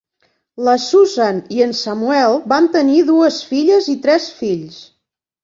La Susan i en Samuel van tenir dues filles i tres fills.